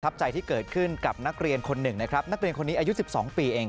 ทับใจที่เกิดขึ้นกับนักเรียนคนหนึ่งนักเรียนอายุ๑๒ปีเอง